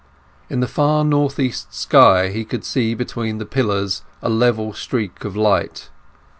In the far north east sky he could see between the pillars a level streak of light.